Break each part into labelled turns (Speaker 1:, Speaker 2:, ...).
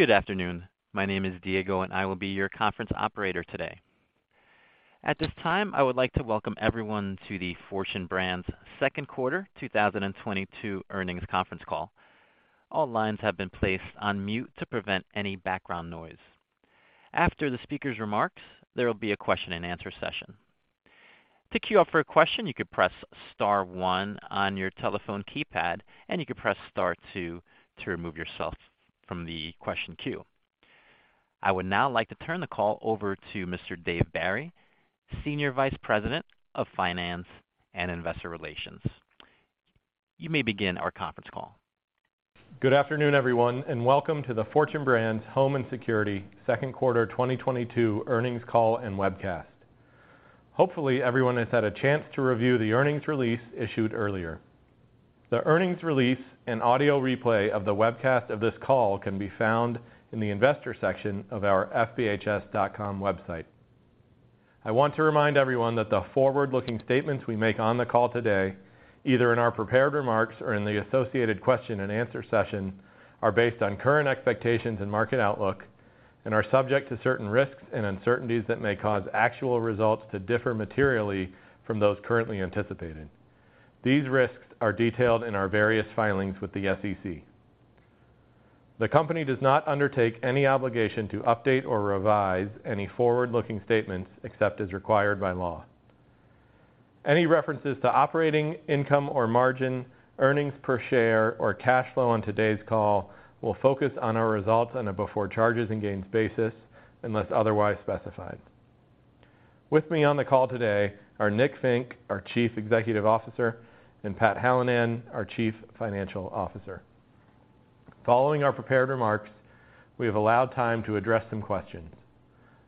Speaker 1: Good afternoon. My name is Diego, and I will be your conference operator today. At this time, I would like to welcome everyone to the Fortune Brands second quarter 2022 earnings conference call. All lines have been placed on mute to prevent any background noise. After the speaker's remarks, there will be a question-and-answer session. To queue up for a question, you could press star one on your telephone keypad, and you can press star two to remove yourself from the question queue. I would now like to turn the call over to Mr. David Barry, Senior Vice President of Finance and Investor Relations. You may begin our conference call.
Speaker 2: Good afternoon, everyone, and welcome to the Fortune Brands Home & Security second quarter 2022 earnings call and webcast. Hopefully, everyone has had a chance to review the earnings release issued earlier. The earnings release and audio replay of the webcast of this call can be found in the investor section of our fbhs.com website. I want to remind everyone that the forward-looking statements we make on the call today, either in our prepared remarks or in the associated question-and-answer session, are based on current expectations and market outlook and are subject to certain risks and uncertainties that may cause actual results to differ materially from those currently anticipated. These risks are detailed in our various filings with the SEC. The company does not undertake any obligation to update or revise any forward-looking statements except as required by law. Any references to operating income or margin, earnings per share or cash flow on today's call will focus on our results on a before charges and gains basis unless otherwise specified. With me on the call today are Nicholas Fink, our Chief Executive Officer, and Patrick Hallinan, our Chief Financial Officer. Following our prepared remarks, we have allowed time to address some questions.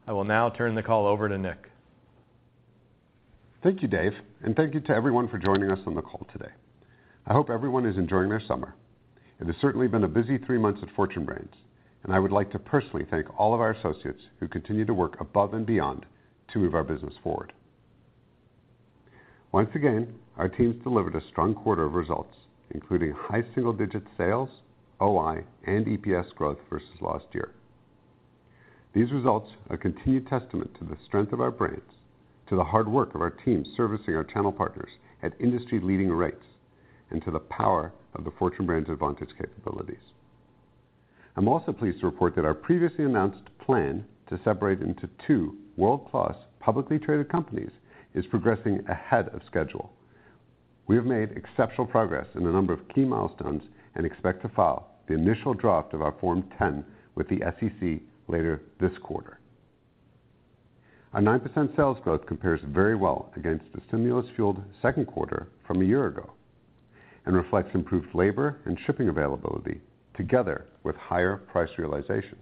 Speaker 2: I will now turn the call over to Nick.
Speaker 3: Thank you, Dave, and thank you to everyone for joining us on the call today. I hope everyone is enjoying their summer. It has certainly been a busy three months at Fortune Brands, and I would like to personally thank all of our associates who continue to work above and beyond to move our business forward. Once again, our teams delivered a strong quarter of results, including high single-digit sales, OI, and EPS growth versus last year. These results are continued testament to the strength of our brands, to the hard work of our team servicing our channel partners at industry-leading rates, and to the power of the Fortune Brands Advantage capabilities. I'm also pleased to report that our previously announced plan to separate into two world-class publicly traded companies is progressing ahead of schedule. We have made exceptional progress in a number of key milestones and expect to file the initial draft of our Form 10 with the SEC later this quarter. Our 9% sales growth compares very well against the stimulus-fueled second quarter from a year ago and reflects improved labor and shipping availability together with higher price realization.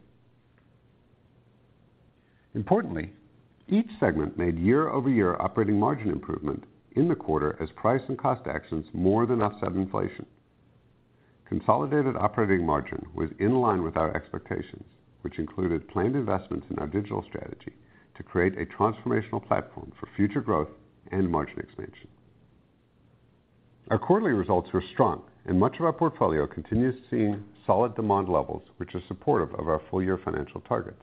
Speaker 3: Importantly, each segment made year-over-year operating margin improvement in the quarter as price and cost actions more than offset inflation. Consolidated operating margin was in line with our expectations, which included planned investments in our digital strategy to create a transformational platform for future growth and margin expansion. Our quarterly results were strong and much of our portfolio continues seeing solid demand levels, which are supportive of our full year financial targets.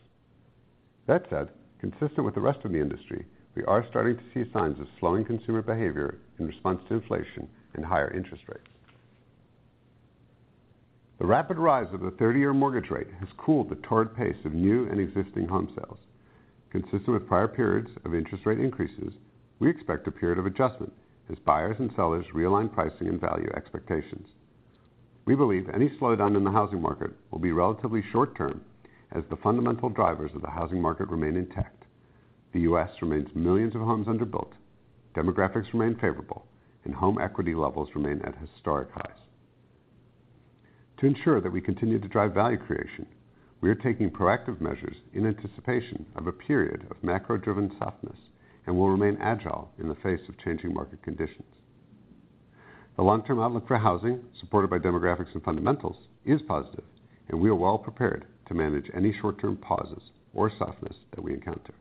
Speaker 3: That said, consistent with the rest of the industry, we are starting to see signs of slowing consumer behavior in response to inflation and higher interest rates. The rapid rise of the thirty-year mortgage rate has cooled the torrid pace of new and existing home sales. Consistent with prior periods of interest rate increases, we expect a period of adjustment as buyers and sellers realign pricing and value expectations. We believe any slowdown in the housing market will be relatively short term as the fundamental drivers of the housing market remain intact. The U.S. remains millions of homes underbuilt, demographics remain favorable, and home equity levels remain at historic highs. To ensure that we continue to drive value creation, we are taking proactive measures in anticipation of a period of macro-driven softness and will remain agile in the face of changing market conditions. The long-term outlook for housing, supported by demographics and fundamentals, is positive, and we are well prepared to manage any short-term pauses or softness that we encounter.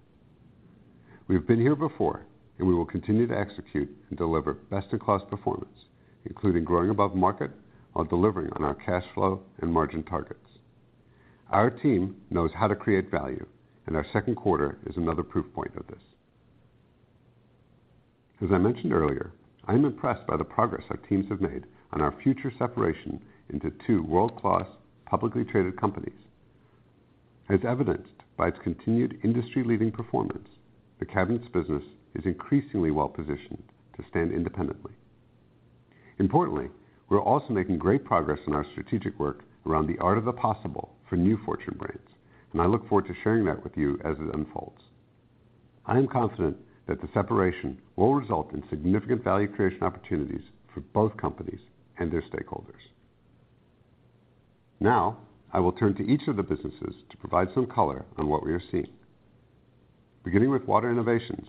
Speaker 3: We have been here before and we will continue to execute and deliver best-in-class performance, including growing above market while delivering on our cash flow and margin targets. Our team knows how to create value, and our second quarter is another proof point of this. As I mentioned earlier, I am impressed by the progress our teams have made on our future separation into two world-class publicly traded companies. As evidenced by its continued industry-leading performance, the Cabinets business is increasingly well positioned to stand independently. Importantly, we're also making great progress in our strategic work around the art of the possible for new Fortune Brands, and I look forward to sharing that with you as it unfolds. I am confident that the separation will result in significant value creation opportunities for both companies and their stakeholders. Now I will turn to each of the businesses to provide some color on what we are seeing. Beginning with Water Innovations.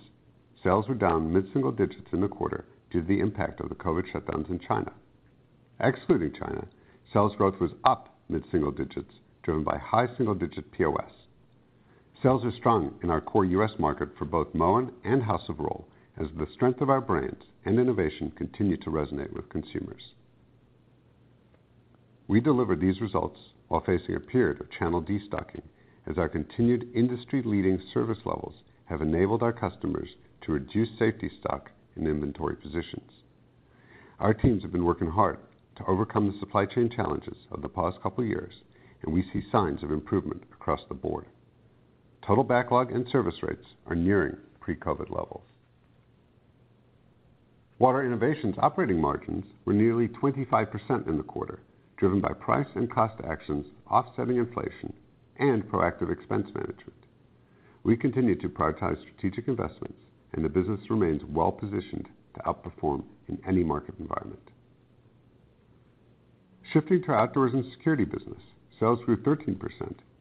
Speaker 3: Sales were down mid-single digits in the quarter due to the impact of the COVID shutdowns in China. Excluding China, sales growth was up mid-single digits, driven by high single-digit POS sales. Sales are strong in our core U.S. market for both Moen and House of Rohl as the strength of our brands and innovation continue to resonate with consumers. We deliver these results while facing a period of channel destocking as our continued industry-leading service levels have enabled our customers to reduce safety stock and inventory positions. Our teams have been working hard to overcome the supply chain challenges of the past couple years, and we see signs of improvement across the board. Total backlog and service rates are nearing pre-COVID levels. Water Innovations operating margins were nearly 25% in the quarter, driven by price and cost actions offsetting inflation and proactive expense management. We continue to prioritize strategic investments and the business remains well-positioned to outperform in any market environment. Shifting to Outdoors & Security business, sales grew 13%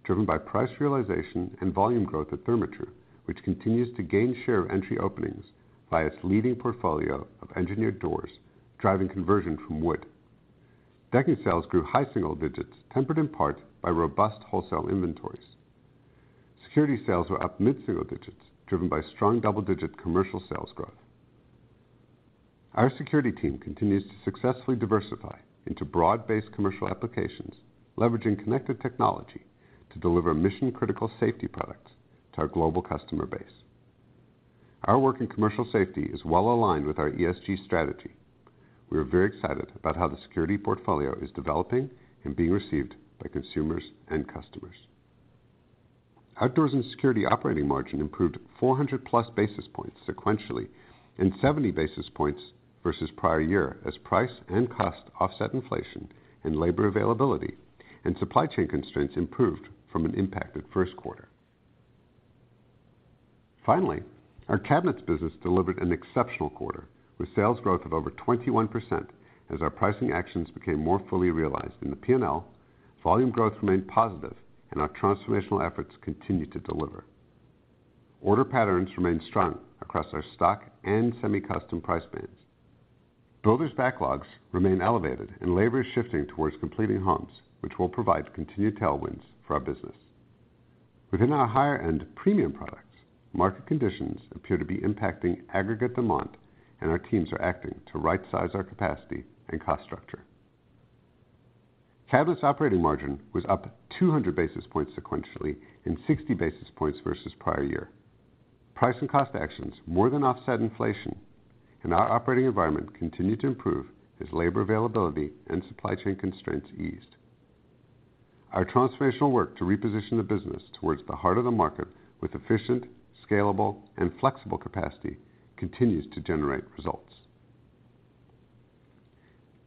Speaker 3: driven by price realization and volume growth at Therma-Tru, which continues to gain share of entry openings via its leading portfolio of engineered doors, driving conversion from wood. Decking sales grew high single digits, tempered in part by robust wholesale inventories. Security sales were up mid-single digits, driven by strong double-digit commercial sales growth. Our security team continues to successfully diversify into broad-based commercial applications, leveraging connected technology to deliver mission-critical safety products to our global customer base. Our work in commercial safety is well aligned with our ESG strategy. We are very excited about how the security portfolio is developing and being received by consumers and customers. Outdoors & Security operating margin improved 400+ basis points sequentially and 70 basis points versus prior year as price and cost offset inflation and labor availability and supply chain constraints improved from an impacted first quarter. Finally, our Cabinets business delivered an exceptional quarter with sales growth of over 21% as our pricing actions became more fully realized in the P&L, volume growth remained positive, and our transformational efforts continued to deliver. Order patterns remained strong across our stock and semi-custom price bands. Builders' backlogs remain elevated and labor is shifting towards completing homes, which will provide continued tailwinds for our business. Within our higher-end premium products, market conditions appear to be impacting aggregate demand, and our teams are acting to rightsize our capacity and cost structure. Cabinets' operating margin was up 200 basis points sequentially and 60 basis points versus prior year. Price and cost actions more than offset inflation, and our operating environment continued to improve as labor availability and supply chain constraints eased. Our transformational work to reposition the business towards the heart of the market with efficient, scalable, and flexible capacity continues to generate results.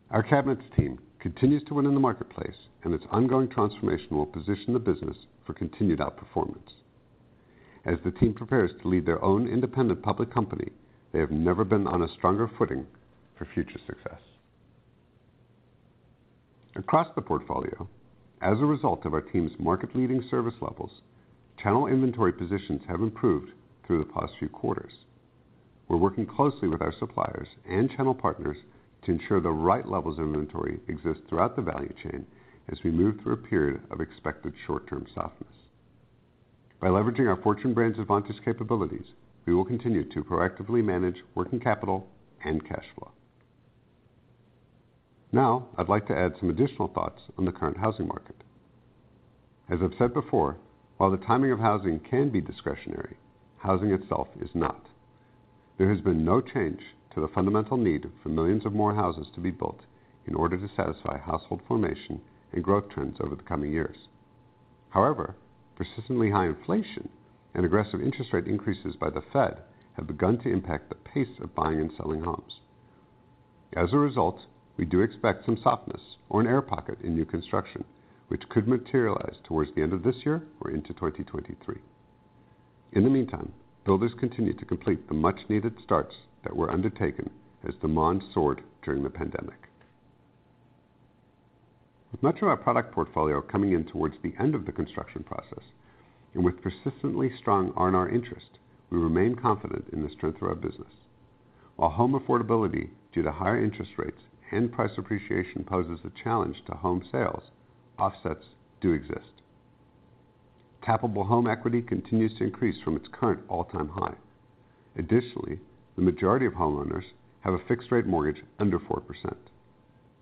Speaker 3: Our Cabinets team continues to win in the marketplace, and its ongoing transformation will position the business for continued outperformance. As the team prepares to lead their own independent public company, they have never been on a stronger footing for future success. Across the portfolio, as a result of our team's market-leading service levels, channel inventory positions have improved through the past few quarters. We're working closely with our suppliers and channel partners to ensure the right levels of inventory exist throughout the value chain as we move through a period of expected short-term softness. By leveraging our Fortune Brands Advantage capabilities, we will continue to proactively manage working capital and cash flow. Now, I'd like to add some additional thoughts on the current housing market. As I've said before, while the timing of housing can be discretionary, housing itself is not. There has been no change to the fundamental need for millions of more houses to be built in order to satisfy household formation and growth trends over the coming years. However, persistently high inflation and aggressive interest rate increases by the Fed have begun to impact the pace of buying and selling homes. As a result, we do expect some softness or an air pocket in new construction, which could materialize towards the end of this year or into 2023. In the meantime, builders continue to complete the much-needed starts that were undertaken as demand soared during the pandemic. With much of our product portfolio coming in towards the end of the construction process, and with persistently strong R&R interest, we remain confident in the strength of our business. While home affordability due to higher interest rates and price appreciation poses a challenge to home sales, offsets do exist. Tappable home equity continues to increase from its current all-time high. Additionally, the majority of homeowners have a fixed rate mortgage under 4%.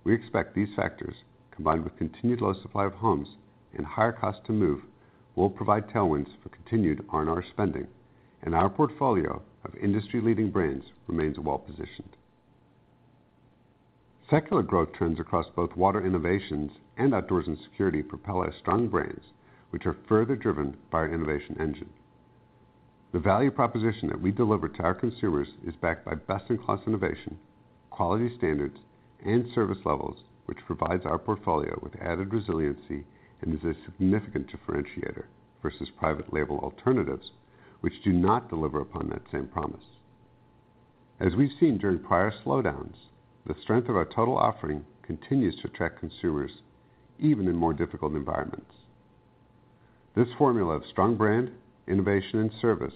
Speaker 3: We expect these factors, combined with continued low supply of homes and higher cost to move, will provide tailwinds for continued R&R spending, and our portfolio of industry-leading brands remains well-positioned. Secular growth trends across both Water Innovations and Outdoors & Security propel our strong brands, which are further driven by our innovation engine. The value proposition that we deliver to our consumers is backed by best-in-class innovation, quality standards, and service levels, which provides our portfolio with added resiliency and is a significant differentiator versus private label alternatives, which do not deliver upon that same promise. As we've seen during prior slowdowns, the strength of our total offering continues to attract consumers even in more difficult environments. This formula of strong brand, innovation, and service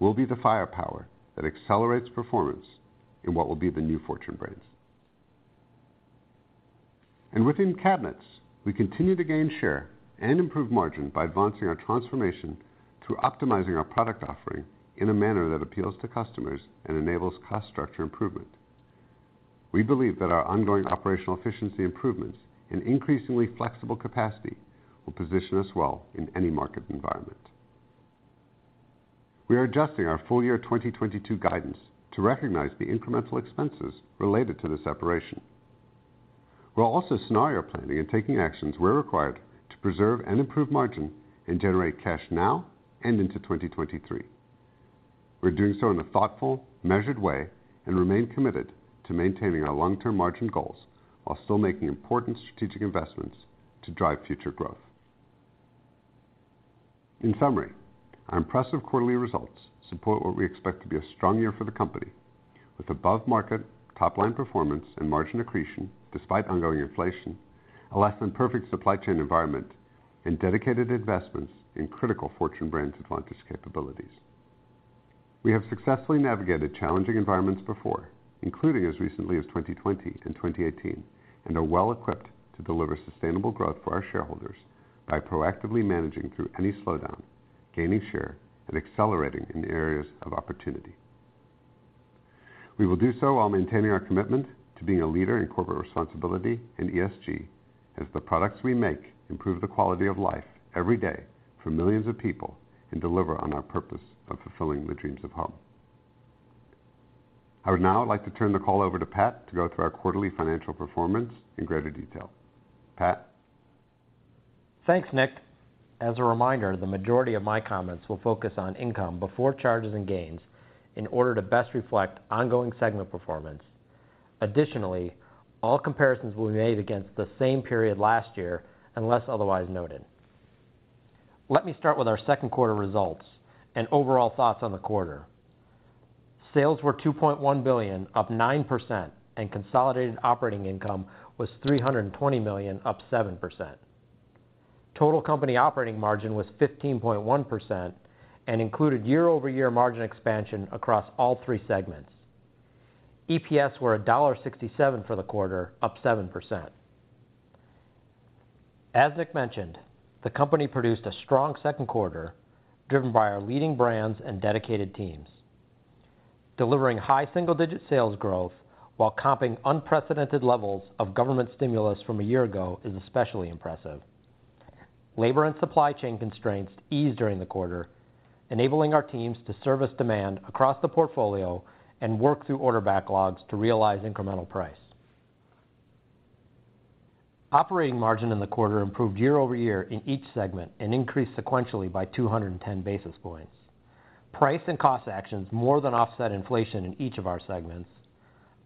Speaker 3: will be the firepower that accelerates performance in what will be the new Fortune Brands. Within Cabinets, we continue to gain share and improve margin by advancing our transformation through optimizing our product offering in a manner that appeals to customers and enables cost structure improvement. We believe that our ongoing operational efficiency improvements and increasingly flexible capacity will position us well in any market environment. We are adjusting our full year 2022 guidance to recognize the incremental expenses related to the separation. We're also scenario planning and taking actions where required to preserve and improve margin and generate cash now and into 2023. We're doing so in a thoughtful, measured way and remain committed to maintaining our long-term margin goals while still making important strategic investments to drive future growth. In summary, our impressive quarterly results support what we expect to be a strong year for the company with above market top line performance and margin accretion despite ongoing inflation, a less than perfect supply chain environment, and dedicated investments in critical Fortune Brands Advantage capabilities. We have successfully navigated challenging environments before, including as recently as 2020 and 2018, and are well equipped to deliver sustainable growth for our shareholders by proactively managing through any slowdown, gaining share, and accelerating in areas of opportunity. We will do so while maintaining our commitment to being a leader in corporate responsibility and ESG as the products we make improve the quality of life every day for millions of people and deliver on our purpose of fulfilling the dreams of home. I would now like to turn the call over to Pat to go through our quarterly financial performance in greater detail. Pat?
Speaker 4: Thanks, Nick. As a reminder, the majority of my comments will focus on income before charges and gains in order to best reflect ongoing segment performance. Additionally, all comparisons will be made against the same period last year, unless otherwise noted. Let me start with our second quarter results and overall thoughts on the quarter. Sales were $2.1 billion, up 9%, and consolidated operating income was $320 million, up 7%. Total company operating margin was 15.1% and included year-over-year margin expansion across all three segments. EPS were $1.67 for the quarter, up 7%. As Nick mentioned, the company produced a strong second quarter driven by our leading brands and dedicated teams. Delivering high single-digit sales growth while comping unprecedented levels of government stimulus from a year ago is especially impressive. Labor and supply chain constraints eased during the quarter, enabling our teams to service demand across the portfolio and work through order backlogs to realize incremental price. Operating margin in the quarter improved year over year in each segment and increased sequentially by 210 basis points. Price and cost actions more than offset inflation in each of our segments.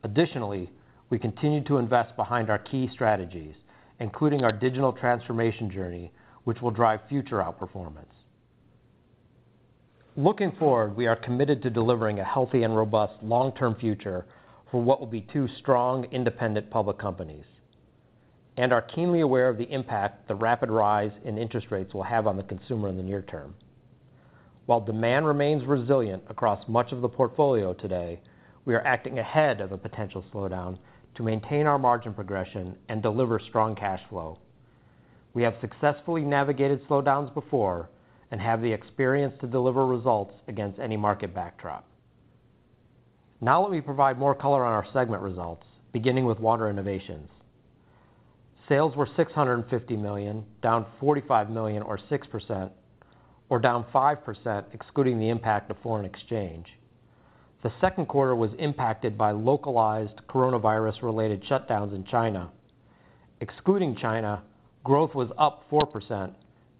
Speaker 4: Additionally, we continued to invest behind our key strategies, including our digital transformation journey, which will drive future outperformance. Looking forward, we are committed to delivering a healthy and robust long-term future for what will be two strong independent public companies and are keenly aware of the impact the rapid rise in interest rates will have on the consumer in the near term. While demand remains resilient across much of the portfolio today, we are acting ahead of a potential slowdown to maintain our margin progression and deliver strong cash flow. We have successfully navigated slowdowns before and have the experience to deliver results against any market backdrop. Now let me provide more color on our segment results, beginning with Water Innovations. Sales were $650 million, down $45 million or 6%, or down 5% excluding the impact of foreign exchange. The second quarter was impacted by localized coronavirus-related shutdowns in China. Excluding China, growth was up 4%,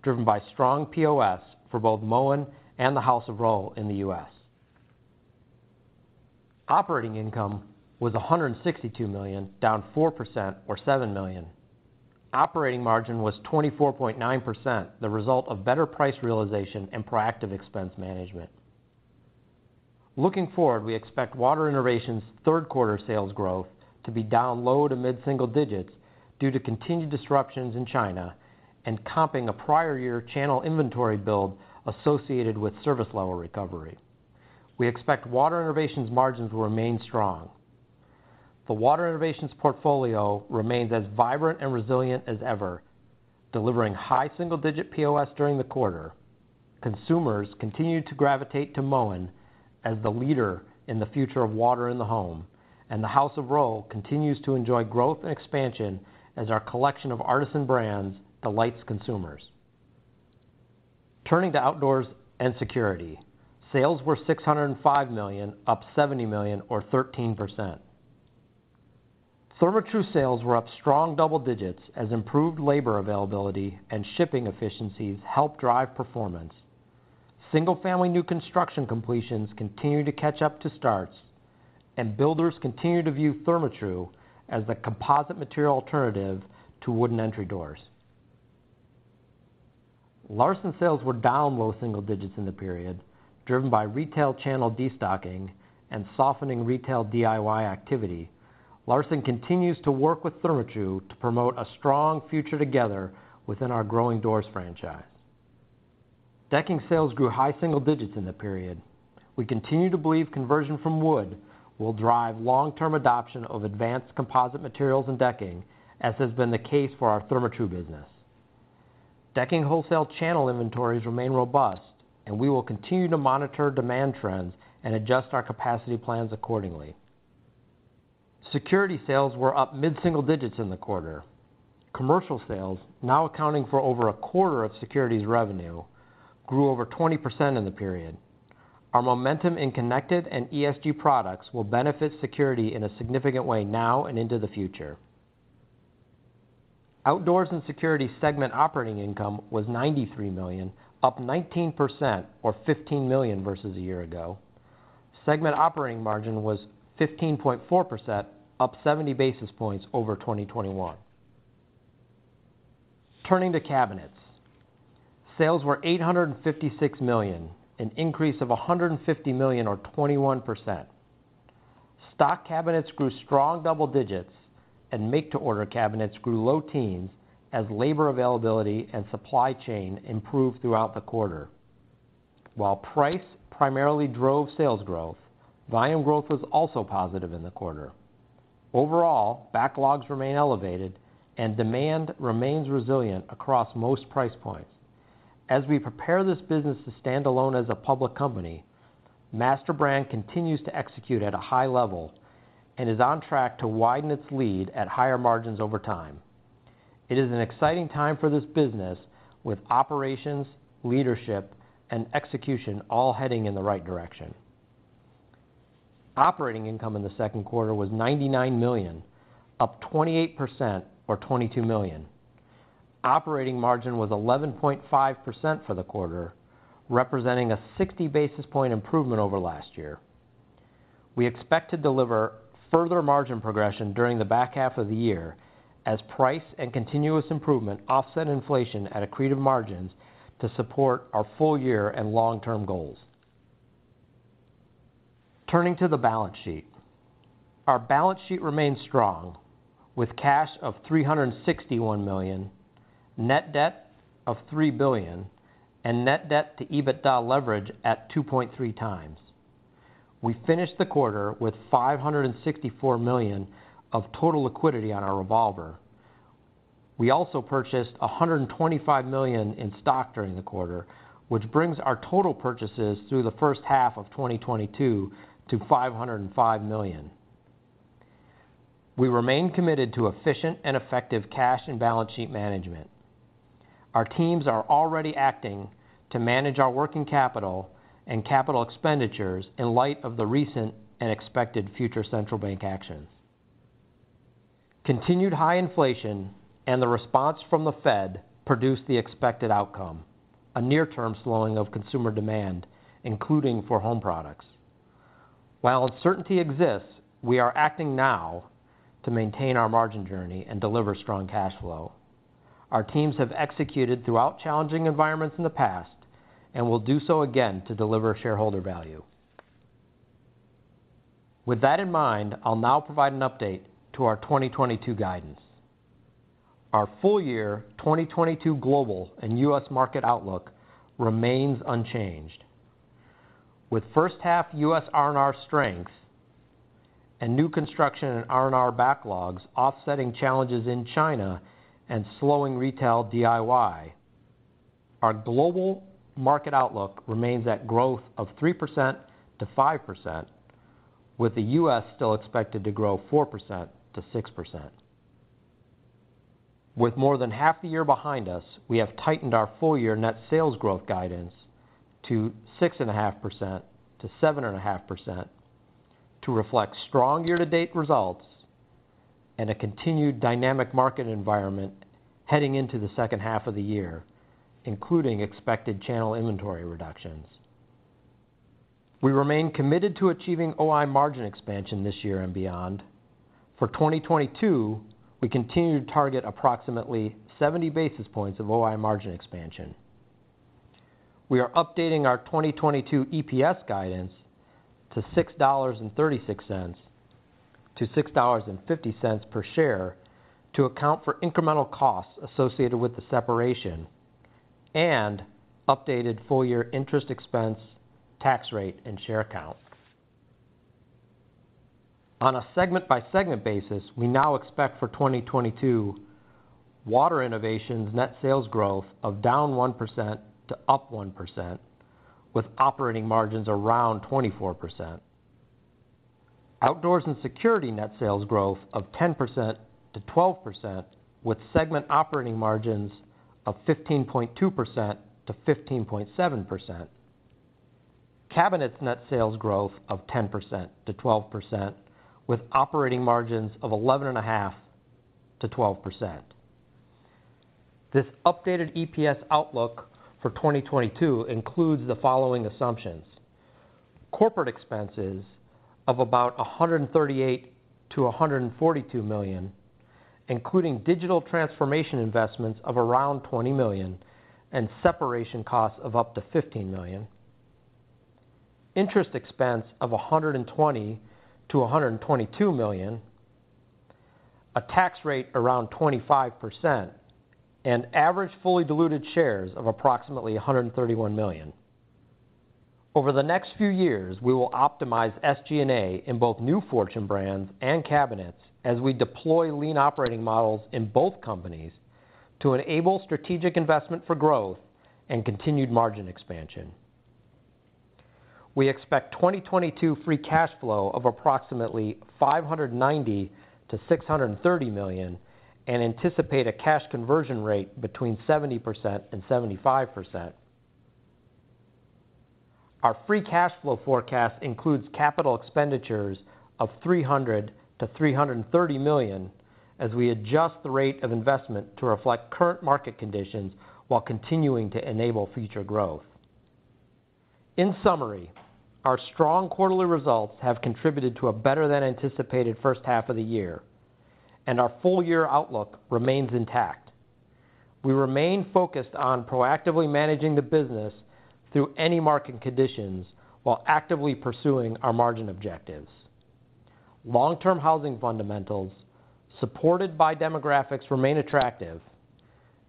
Speaker 4: driven by strong POS for both Moen and the House of Rohl in the U.S. Operating income was $162 million, down 4% or $7 million. Operating margin was 24.9%, the result of better price realization and proactive expense management. Looking forward, we expect Water Innovations third quarter sales growth to be down low- to mid-single digits due to continued disruptions in China and comping a prior year channel inventory build associated with service level recovery. We expect Water Innovations margins will remain strong. The Water Innovations portfolio remains as vibrant and resilient as ever, delivering high single-digit POS during the quarter. Consumers continue to gravitate to Moen as the leader in the future of water in the home, and the House of Rohl continues to enjoy growth and expansion as our collection of artisan brands delights consumers. Turning to Outdoors & Security, sales were $605 million, up $70 million or 13%. Therma-Tru sales were up strong double digits as improved labor availability and shipping efficiencies helped drive performance. Single-family new construction completions continue to catch up to starts, and builders continue to view Therma-Tru as the composite material alternative to wooden entry doors. Larson sales were down low single digits in the period, driven by retail channel destocking and softening retail DIY activity. Larson continues to work with Therma-Tru to promote a strong future together within our growing doors franchise. Decking sales grew high single digits in the period. We continue to believe conversion from wood will drive long-term adoption of advanced composite materials and decking, as has been the case for our Therma-Tru business. Decking wholesale channel inventories remain robust, and we will continue to monitor demand trends and adjust our capacity plans accordingly. Security sales were up mid-single digits in the quarter. Commercial sales, now accounting for over a quarter of security's revenue, grew over 20% in the period. Our momentum in connected and ESG products will benefit security in a significant way now and into the future. Outdoors & Security segment operating income was $93 million, up 19% or $15 million versus a year ago. Segment operating margin was 15.4%, up 70 basis points over 2021. Turning to Cabinets. Sales were $856 million, an increase of $150 million or 21%. Stock Cabinets grew strong double digits and make-to-order Cabinets grew low teens as labor availability and supply chain improved throughout the quarter. While price primarily drove sales growth, volume growth was also positive in the quarter. Overall, backlogs remain elevated and demand remains resilient across most price points. As we prepare this business to stand alone as a public company, MasterBrand continues to execute at a high level and is on track to widen its lead at higher margins over time. It is an exciting time for this business with operations, leadership, and execution all heading in the right direction. Operating income in the second quarter was $99 million, up 28% or $22 million. Operating margin was 11.5% for the quarter, representing a 60 basis point improvement over last year. We expect to deliver further margin progression during the back half of the year as price and continuous improvement offset inflation at accretive margins to support our full year and long-term goals. Turning to the balance sheet. Our balance sheet remains strong with cash of $361 million, net debt of $3 billion, and net debt to EBITDA leverage at 2.3 times. We finished the quarter with $564 million of total liquidity on our revolver. We also purchased $125 million in stock during the quarter, which brings our total purchases through the first half of 2022 to $505 million. We remain committed to efficient and effective cash and balance sheet management. Our teams are already acting to manage our working capital and capital expenditures in light of the recent and expected future central bank actions. Continued high inflation and the response from the Fed produced the expected outcome, a near-term slowing of consumer demand, including for home products. While uncertainty exists, we are acting now to maintain our margin journey and deliver strong cash flow. Our teams have executed throughout challenging environments in the past and will do so again to deliver shareholder value. With that in mind, I'll now provide an update to our 2022 guidance. Our full year 2022 global and U.S. market outlook remains unchanged. With first half U.S. R&R strength and new construction and R&R backlogs offsetting challenges in China and slowing retail DIY, our global market outlook remains at growth of 3%-5%, with the U.S. still expected to grow 4%-6%. With more than half the year behind us, we have tightened our full year net sales growth guidance to 6.5%-7.5% to reflect strong year-to-date results and a continued dynamic market environment heading into the second half of the year, including expected channel inventory reductions. We remain committed to achieving OI margin expansion this year and beyond. For 2022, we continue to target approximately 70 basis points of OI margin expansion. We are updating our 2022 EPS guidance to $6.36-$6.50 per share to account for incremental costs associated with the separation and updated full year interest expense, tax rate, and share count. On a segment-by-segment basis, we now expect for 2022 Water Innovations net sales growth of down 1% to up 1%, with operating margins around 24%. Outdoors and Security net sales growth of 10%-12%, with segment operating margins of 15.2%-15.7%. Cabinets net sales growth of 10%-12%, with operating margins of 11.5%-12%. This updated EPS outlook for 2022 includes the following assumptions. Corporate expenses of about $138 million-$142 million, including digital transformation investments of around $20 million and separation costs of up to $15 million. Interest expense of $120 million-$122 million. A tax rate around 25% and average fully diluted shares of approximately 131 million. Over the next few years, we will optimize SG&A in both our Fortune brands and Cabinets as we deploy lean operating models in both companies to enable strategic investment for growth and continued margin expansion. We expect 2022 free cash flow of approximately $590 million-$630 million and anticipate a cash conversion rate between 70% and 75%. Our free cash flow forecast includes capital expenditures of $300 million-$330 million as we adjust the rate of investment to reflect current market conditions while continuing to enable future growth. In summary, our strong quarterly results have contributed to a better than anticipated first half of the year, and our full year outlook remains intact. We remain focused on proactively managing the business through any market conditions while actively pursuing our margin objectives. Long-term housing fundamentals supported by demographics remain attractive,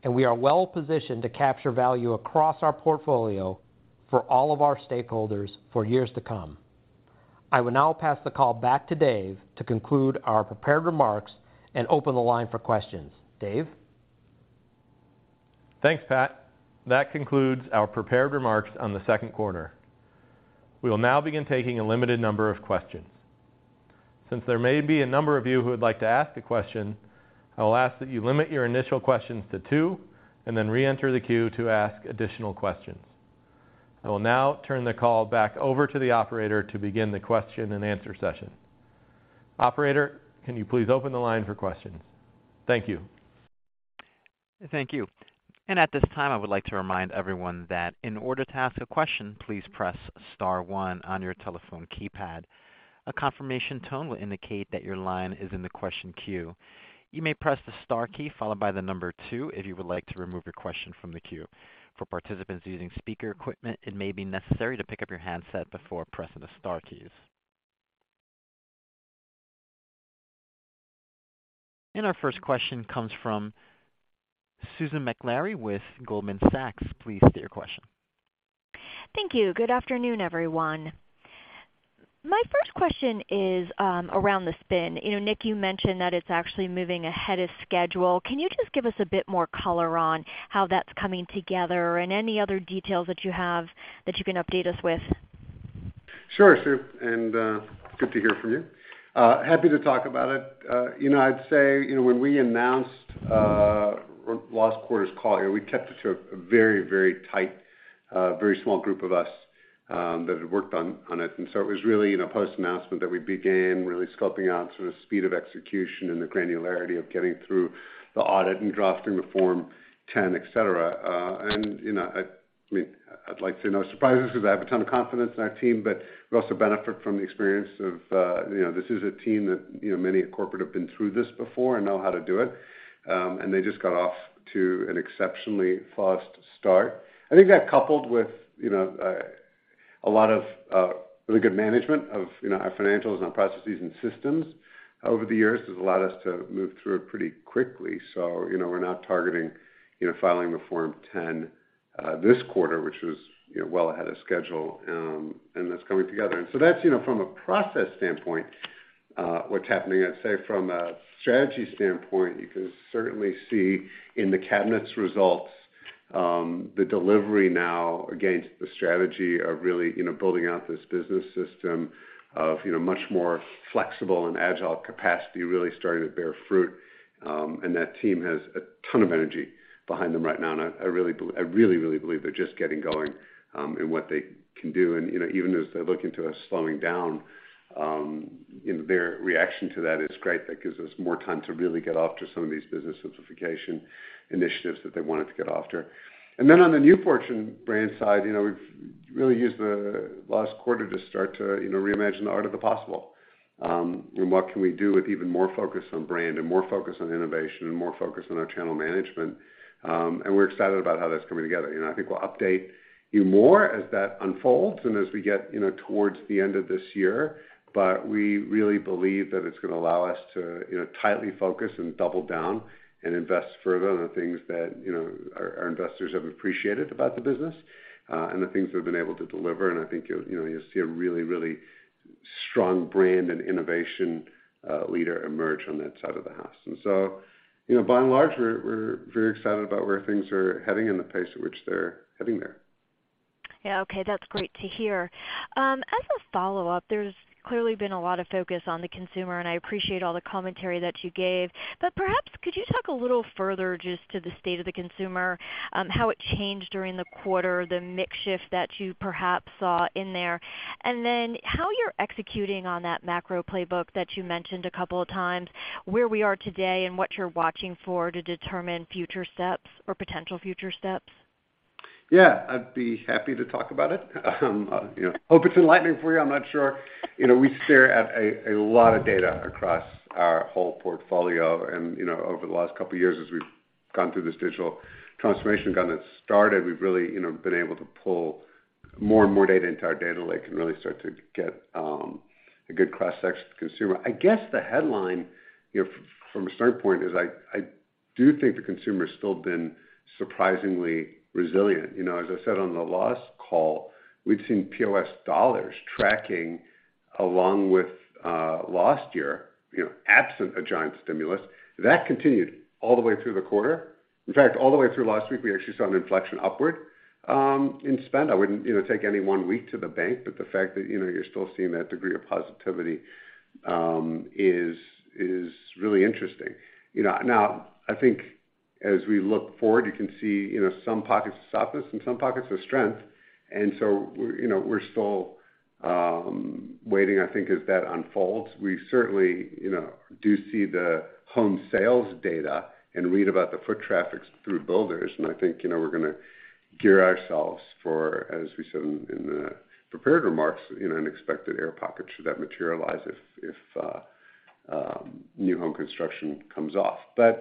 Speaker 4: and we are well positioned to capture value across our portfolio for all of our stakeholders for years to come. I will now pass the call back to Dave to conclude our prepared remarks and open the line for questions. Dave?
Speaker 2: Thanks, Pat. That concludes our prepared remarks on the second quarter. We will now begin taking a limited number of questions. Since there may be a number of you who would like to ask a question, I will ask that you limit your initial questions to two and then reenter the queue to ask additional questions. I will now turn the call back over to the operator to begin the question and answer session. Operator, can you please open the line for questions? Thank you.
Speaker 1: Thank you. At this time, I would like to remind everyone that in order to ask a question, please press star one on your telephone keypad. A confirmation tone will indicate that your line is in the question queue. You may press the star key followed by the number two if you would like to remove your question from the queue. For participants using speaker equipment, it may be necessary to pick up your handset before pressing the star keys. Our first question comes from Susan Maklari with Goldman Sachs. Please state your question.
Speaker 5: Thank you. Good afternoon, everyone. My first question is around the spin. You know, Nick, you mentioned that it's actually moving ahead of schedule. Can you just give us a bit more color on how that's coming together and any other details that you have that you can update us with?
Speaker 3: Sure, Sue, good to hear from you. Happy to talk about it. You know, I'd say, you know, when we announced last quarter's call here, we kept it to a very tight, very small group of us that had worked on it. It was really in a post announcement that we began really scoping out sort of speed of execution and the granularity of getting through the audit and drafting the Form 10, et cetera. You know, I mean, I'd like to say no surprises because I have a ton of confidence in our team, but we also benefit from the experience of, you know, this is a team that, you know, many at corporate have been through this before and know how to do it. They just got off to an exceptionally fast start. I think that coupled with, you know, a lot of really good management of, you know, our financials and our processes and systems over the years has allowed us to move through it pretty quickly. We're now targeting, you know, filing the Form 10 this quarter, which was, you know, well ahead of schedule, and that's coming together. That's, you know, from a process standpoint, what's happening. I'd say from a strategy standpoint, you can certainly see in the Cabinets results the delivery now against the strategy of really, you know, building out this business system of, you know, much more flexible and agile capacity really starting to bear fruit. That team has a ton of energy behind them right now, and I really, really believe they're just getting going in what they can do. You know, even as they're looking to us slowing down, you know, their reaction to that is great. That gives us more time to really get after some of these business simplification initiatives that they wanted to get after. Then on the new Fortune Brands side, you know, we've really used the last quarter to start to, you know, reimagine the art of the possible, and what can we do with even more focus on brand and more focus on innovation and more focus on our channel management. We're excited about how that's coming together. You know, I think we'll update you more as that unfolds and as we get, you know, towards the end of this year. We really believe that it's gonna allow us to, you know, tightly focus and double down and invest further in the things that, you know, our investors have appreciated about the business, and the things we've been able to deliver. I think, you'll, you know, you'll see a really, really strong brand and innovation leader emerge on that side of the house. you know, by and large, we're very excited about where things are heading and the pace at which they're heading there.
Speaker 5: Yeah. Okay. That's great to hear. As a follow-up, there's clearly been a lot of focus on the consumer, and I appreciate all the commentary that you gave, but perhaps could you talk a little further just to the state of the consumer, how it changed during the quarter, the mix shift that you perhaps saw in there? Then how you're executing on that macro playbook that you mentioned a couple of times, where we are today and what you're watching for to determine future steps or potential future steps.
Speaker 3: Yeah, I'd be happy to talk about it. You know, hope it's enlightening for you. I'm not sure. You know, we stare at a lot of data across our whole portfolio and, you know, over the last couple of years as we've gone through this digital transformation, gotten it started. We've really, you know, been able to pull more and more data into our data lake and really start to get a good cross-section of the consumer. I guess the headline, you know, from a starting point is I do think the consumer's still been surprisingly resilient. You know, as I said on the last call, we've seen POS dollars tracking along with last year, you know, absent of giant stimulus. That continued all the way through the quarter. In fact, all the way through last week, we actually saw an inflection upward in spend. I wouldn't, you know, take any one week to the bank, but the fact that, you know, you're still seeing that degree of positivity is really interesting. You know, now I think as we look forward, you can see, you know, some pockets of softness and some pockets of strength. We're still waiting, I think, as that unfolds. We certainly, you know, do see the home sales data and read about the foot traffic through builders, and I think, you know, we're gonna gear ourselves for, as we said in the prepared remarks, you know, an expected air pocket should that materialize if new home construction comes off. You know,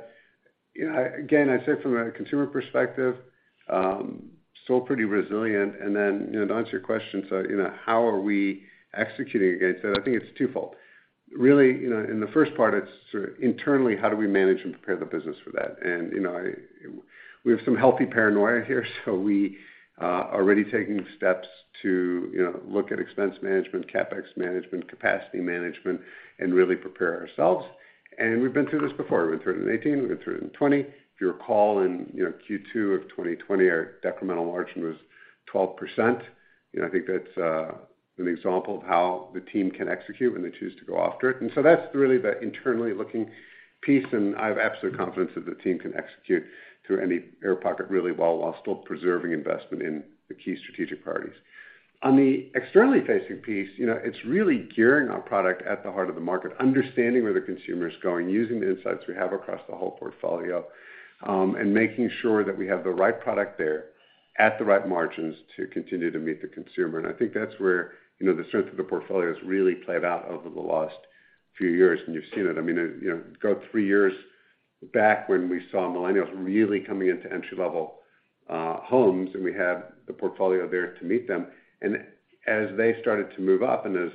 Speaker 3: again, I'd say from a consumer perspective, still pretty resilient. Then, you know, to answer your question, you know, how are we executing against that? I think it's twofold. Really, you know, in the first part, it's sort of internally, how do we manage and prepare the business for that? You know, we have some healthy paranoia here, so we are already taking steps to, you know, look at expense management, CapEx management, capacity management, and really prepare ourselves. We've been through this before. We went through it in 2018. We went through it in 2020. If you recall, you know, Q2 of 2020, our decremental margin was 12%. You know, I think that's an example of how the team can execute when they choose to go after it. That's really the internally looking piece, and I have absolute confidence that the team can execute through any air pocket really well while still preserving investment in the key strategic priorities. On the externally facing piece, you know, it's really gearing our product at the heart of the market, understanding where the consumer is going, using the insights we have across the whole portfolio, and making sure that we have the right product there at the right margins to continue to meet the consumer. I think that's where, you know, the strength of the portfolio has really played out over the last few years, and you've seen it. I mean, you know, go three years back when we saw millennials really coming into entry-level homes, and we have the portfolio there to meet them. As they started to move up and as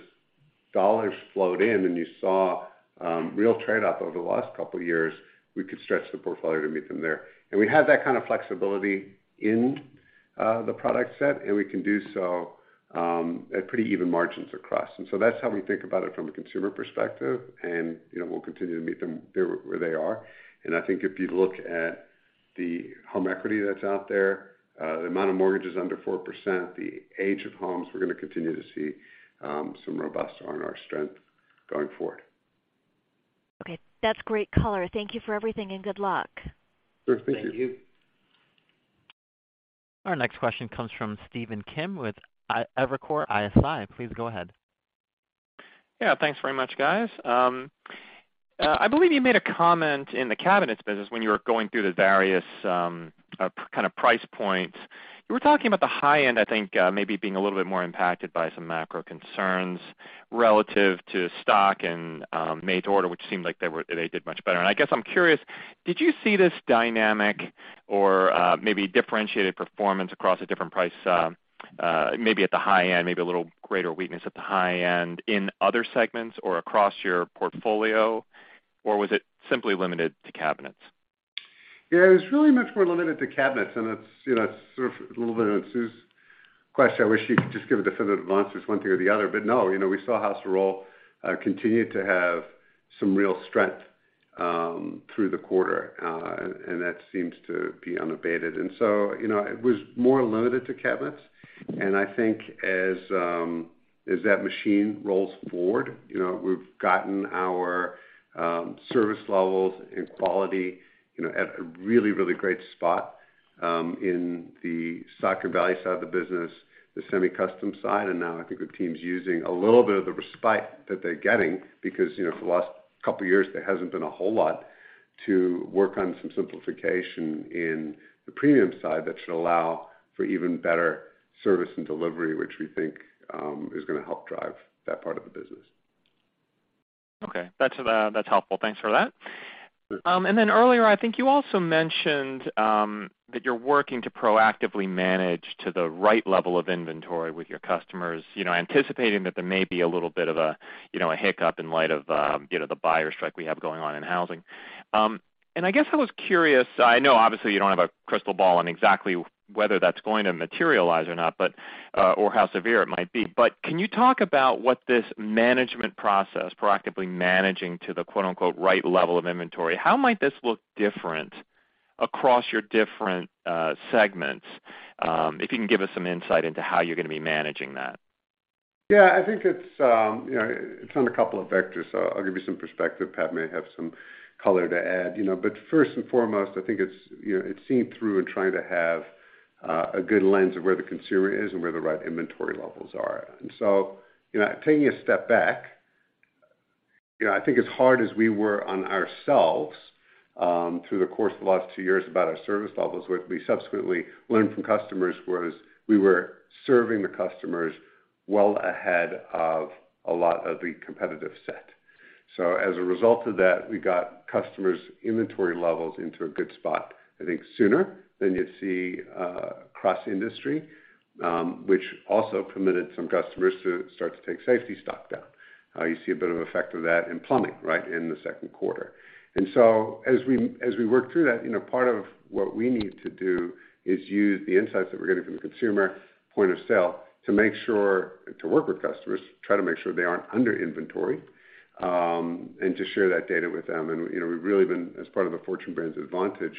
Speaker 3: dollars flowed in and you saw real trade up over the last couple of years, we could stretch the portfolio to meet them there. We have that kind of flexibility in the product set, and we can do so at pretty even margins across. That's how we think about it from a consumer perspective, and you know, we'll continue to meet them there where they are. I think if you look at the home equity that's out there, the amount of mortgages under 4%, the age of homes, we're gonna continue to see some robust R&R strength going forward.
Speaker 5: Okay. That's great color. Thank you for everything, and good luck.
Speaker 3: Sure. Thank you.
Speaker 6: Thank you.
Speaker 1: Our next question comes from Stephen Kim with Evercore ISI. Please go ahead.
Speaker 6: Yeah. Thanks very much, guys. I believe you made a comment in the Cabinets business when you were going through the various kind of price points. You were talking about the high end, I think, maybe being a little bit more impacted by some macro concerns relative to stock and made to order, which seemed like they did much better. I guess I'm curious, did you see this dynamic or maybe differentiated performance across a different price maybe at the high end, maybe a little greater weakness at the high end in other segments or across your portfolio, or was it simply limited to Cabinets?
Speaker 3: Yeah. It's really much more limited to Cabinets, and it's, you know, it's sort of a little bit on Sue's question. I wish she could just give a definitive answer. It's one thing or the other. No. You know, we saw House of Rohl continue to have some real strength through the quarter, and that seems to be unabated. It was more limited to Cabinets. I think as that machine rolls forward, you know, we've gotten our service levels and quality, you know, at a really, really great spot in the Shenandoah Valley side of the business, the semi-custom side. Now I think the team's using a little bit of the respite that they're getting because, you know, for the last couple of years, there hasn't been a whole lot to work on some simplification in the premium side that should allow for even better service and delivery, which we think, is gonna help drive that part of the business.
Speaker 6: Okay. That's helpful. Thanks for that.
Speaker 3: Sure.
Speaker 6: Earlier, I think you also mentioned that you're working to proactively manage to the right level of inventory with your customers, you know, anticipating that there may be a little bit of a, you know, a hiccup in light of, you know, the buyer strike we have going on in housing. I guess I was curious. I know obviously you don't have a crystal ball on exactly whether that's going to materialize or not, but or how severe it might be. But can you talk about what this management process, proactively managing to the quote-unquote, right level of inventory, how might this look different across your different segments? If you can give us some insight into how you're gonna be managing that.
Speaker 3: Yeah. I think it's, you know, it's on a couple of vectors. I'll give you some perspective. Pat may have some color to add. You know, but first and foremost, I think it's, you know, it's seeing through and trying to have a good lens of where the consumer is and where the right inventory levels are. You know, taking a step back. You know, I think as hard as we were on ourselves through the course of the last two years about our service levels, what we subsequently learned from customers was we were serving the customers well ahead of a lot of the competitive set. As a result of that, we got customers' inventory levels into a good spot, I think sooner than you'd see across the industry, which also permitted some customers to start to take safety stock down. You see a bit of effect of that in plumbing, right, in the second quarter. As we work through that, you know, part of what we need to do is use the insights that we're getting from the consumer point of sale to make sure to work with customers, try to make sure they aren't under inventory, and to share that data with them. You know, we've really been, as part of the Fortune Brands Advantage,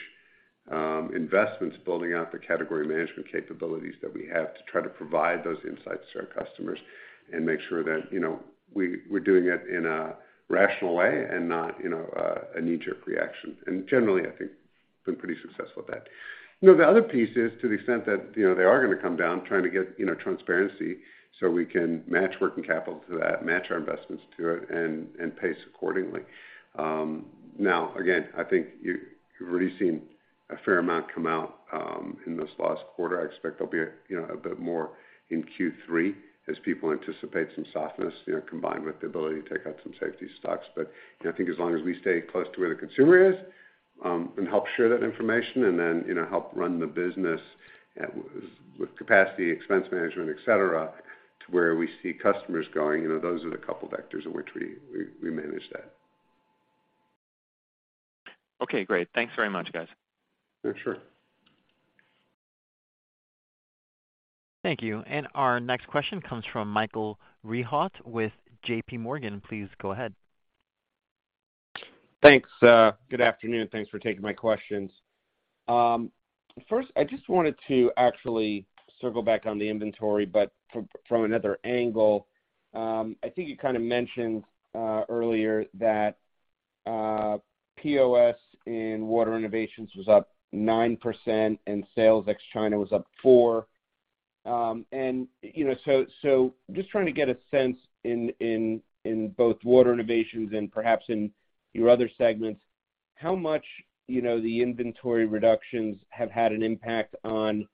Speaker 3: investments building out the category management capabilities that we have to try to provide those insights to our customers and make sure that, you know, we're doing it in a rational way and not, you know, a knee-jerk reaction. Generally, I think we've been pretty successful at that. You know, the other piece is to the extent that, you know, they are gonna come down trying to get, you know, transparency so we can match working capital to that, match our investments to it, and pace accordingly. Now again, I think you've already seen a fair amount come out in this last quarter. I expect there'll be a, you know, a bit more in Q3 as people anticipate some softness, you know, combined with the ability to take out some safety stocks. You know, I think as long as we stay close to where the consumer is, and help share that information and then, you know, help run the business with capacity, expense management, et cetera, to where we see customers going, you know, those are the couple vectors in which we manage that.
Speaker 6: Okay, great. Thanks very much, guys.
Speaker 3: Yeah, sure.
Speaker 1: Thank you. Our next question comes from Michael Rehaut with J.P. Morgan. Please go ahead.
Speaker 7: Thanks. Good afternoon. Thanks for taking my questions. First, I just wanted to actually circle back on the inventory, but from another angle. I think you kind of mentioned earlier that POS in Water Innovations was up 9% and sales ex-China was up 4%. You know, so just trying to get a sense in both Water Innovations and perhaps in your other segments, how much, you know, the inventory reductions have had an impact on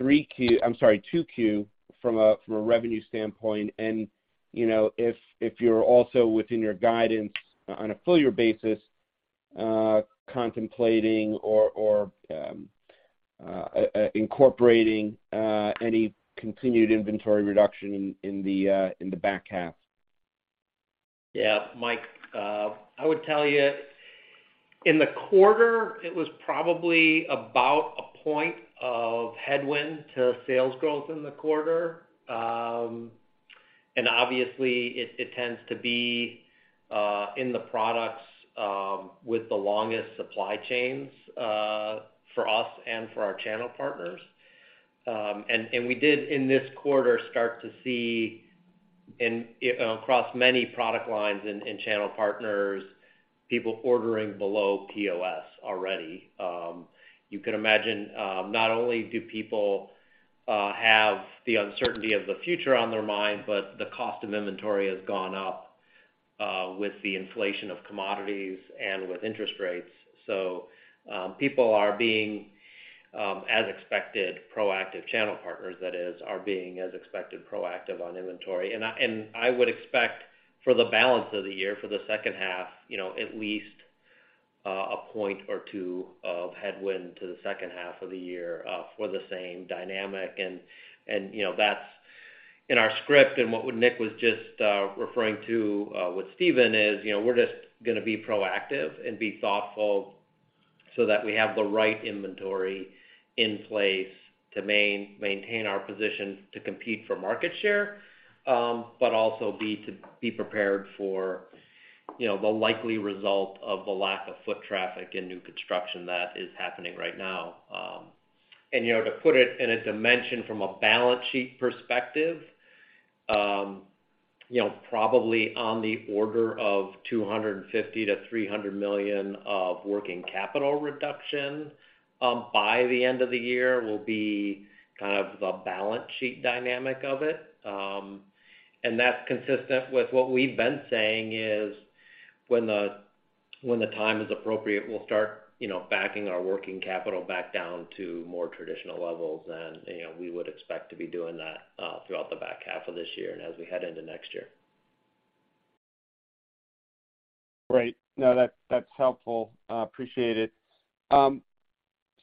Speaker 7: 2Q from a revenue standpoint, and, you know, if you're also within your guidance on a full year basis, contemplating or incorporating any continued inventory reduction in the back half.
Speaker 4: Yeah. Mike, I would tell you in the quarter, it was probably about a point of headwind to sales growth in the quarter. Obviously, it tends to be in the products with the longest supply chains for us and for our channel partners. We did in this quarter start to see across many product lines and channel partners, people ordering below POS already. You can imagine, not only do people have the uncertainty of the future on their mind, but the cost of inventory has gone up with the inflation of commodities and with interest rates. People are being, as expected, proactive. Channel partners, that is, are being, as expected, proactive on inventory. I would expect for the balance of the year, for the second half, you know, at least a point or two of headwind to the second half of the year for the same dynamic. You know, that's in our script and what Nick was just referring to with Steven is, you know, we're just gonna be proactive and be thoughtful so that we have the right inventory in place to maintain our position to compete for market share, but also be prepared for, you know, the likely result of the lack of foot traffic and new construction that is happening right now. You know, to put it in a dimension from a balance sheet perspective, you know, probably on the order of $250 million-$300 million of working capital reduction by the end of the year will be kind of the balance sheet dynamic of it. That's consistent with what we've been saying is when the time is appropriate, we'll start, you know, backing our working capital back down to more traditional levels. You know, we would expect to be doing that throughout the back half of this year and as we head into next year.
Speaker 7: Great. No, that's helpful. Appreciate it.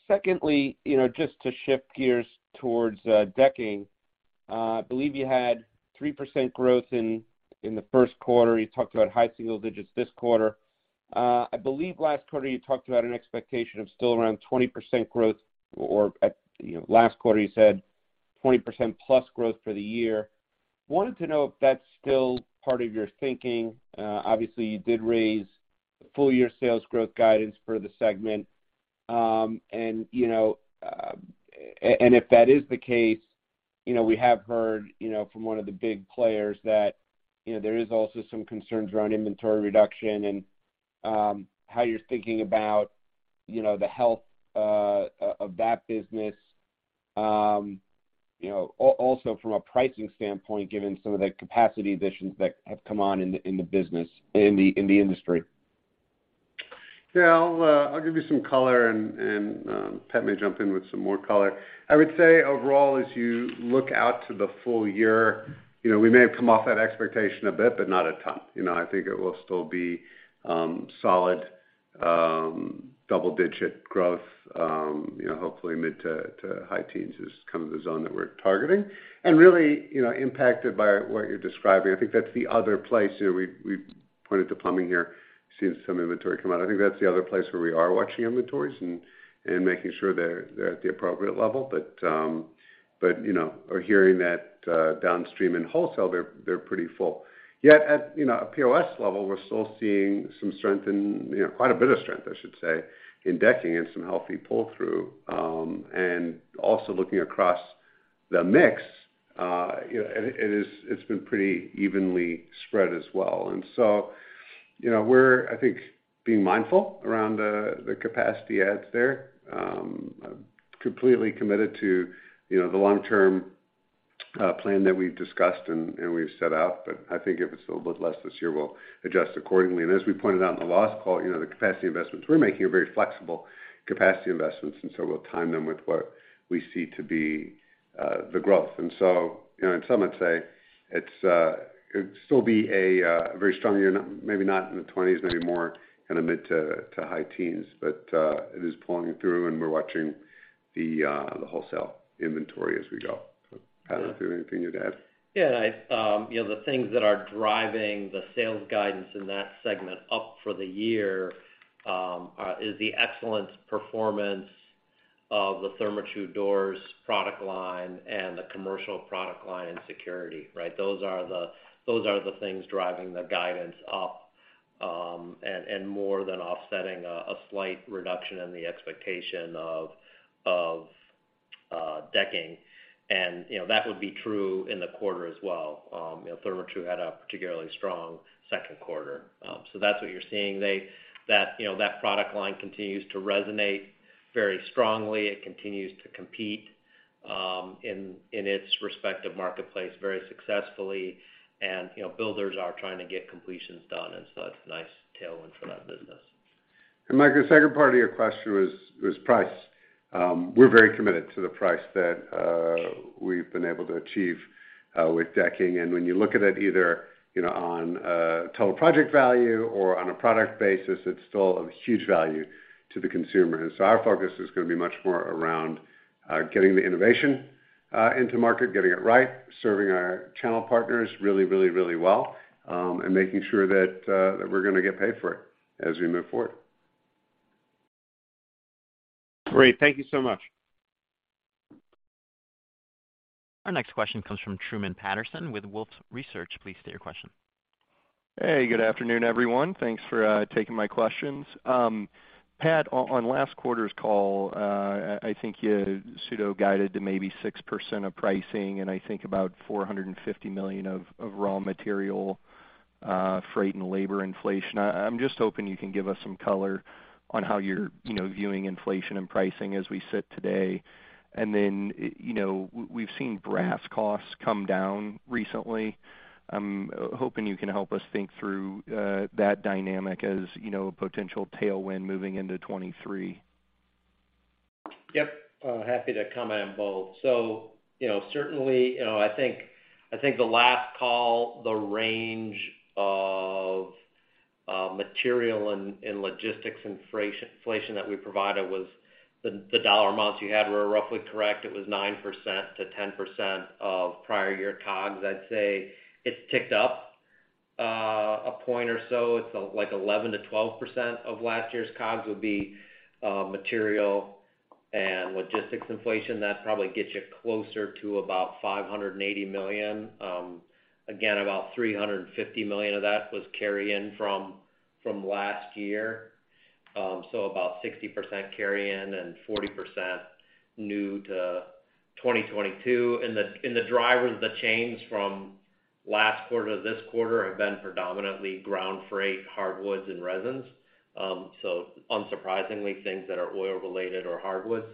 Speaker 7: Secondly, you know, just to shift gears towards decking. I believe you had 3% growth in the first quarter. You talked about high single digits this quarter. I believe last quarter you talked about an expectation of still around 20% growth, you know, last quarter you said 20%+ growth for the year. Wanted to know if that's still part of your thinking. Obviously, you did raise full year sales growth guidance for the segment. If that is the case, you know, we have heard, you know, from one of the big players that, you know, there is also some concerns around inventory reduction and how you're thinking about, you know, the health of that business. You know, also from a pricing standpoint, given some of the capacity additions that have come on in the business, in the industry.
Speaker 3: Yeah. I'll give you some color and Pat may jump in with some more color. I would say overall, as you look out to the full year, you know, we may have come off that expectation a bit, but not a ton. You know, I think it will still be solid double-digit growth. You know, hopefully mid to high teens is kind of the zone that we're targeting. Really, you know, impacted by what you're describing. I think that's the other place. You know, we've pointed to plumbing here, seeing some inventory come out. I think that's the other place where we are watching inventories and making sure they're at the appropriate level. You know, we're hearing that downstream and wholesale they're pretty full. Yet, at you know a POS level, we're still seeing some strength in you know quite a bit of strength, I should say, in decking and some healthy pull-through. Also looking across the mix, you know, it's been pretty evenly spread as well. You know, we're I think being mindful around the capacity adds there. Completely committed to you know the long-term plan that we've discussed and we've set out, but I think if it's a little bit less this year, we'll adjust accordingly. As we pointed out in the last call, you know, the capacity investments we're making are very flexible capacity investments, and so we'll time them with what we see to be the growth. You know, and some would say it'd still be a very strong year. Maybe not in the 20s%, maybe more kind of mid- to high teens%, but it is pulling through and we're watching the wholesale inventory as we go. So Pat, is there anything you'd add?
Speaker 4: Yeah. I, you know, the things that are driving the sales guidance in that segment up for the year is the excellent performance of the Therma-Tru Doors product line and the commercial product line and security, right? Those are the things driving the guidance up, and more than offsetting a slight reduction in the expectation of decking. You know, that would be true in the quarter as well. You know, Therma-Tru had a particularly strong second quarter. So that's what you're seeing. That, you know, that product line continues to resonate very strongly. It continues to compete in its respective marketplace very successfully. You know, builders are trying to get completions done, and so that's a nice tailwind for that business.
Speaker 3: Michael, the second part of your question was price. We're very committed to the price that we've been able to achieve with decking. When you look at it either, you know, on total project value or on a product basis, it's still of huge value to the consumer. Our focus is gonna be much more around getting the innovation into market, getting it right, serving our channel partners really, really, really well, and making sure that we're gonna get paid for it as we move forward.
Speaker 7: Great. Thank you so much.
Speaker 1: Our next question comes from Truman Patterson with Wolfe Research. Please state your question.
Speaker 8: Hey, good afternoon, everyone. Thanks for taking my questions. Pat, on last quarter's call, I think you pseudo-guided to maybe 6% of pricing and I think about $450 million of raw material, freight and labor inflation. I'm just hoping you can give us some color on how you're viewing inflation and pricing as we sit today. You know, we've seen brass costs come down recently. I'm hoping you can help us think through that dynamic as a potential tailwind moving into 2023.
Speaker 4: Yep. Happy to comment on both. You know, certainly, you know, I think the last call, the range of material and logistics inflation that we provided, the dollar amounts you had were roughly correct. It was 9%-10% of prior year COGS. I'd say it's ticked up a point or so. It's like 11%-12% of last year's COGS would be material and logistics inflation. That probably gets you closer to about $580 million. Again, about $350 million of that was carry-in from last year. About 60% carry-in and 40% new to 2022. The drivers that changed from last quarter to this quarter have been predominantly ground freight, hardwoods, and resins. Unsurprisingly, things that are oil-related or hardwoods.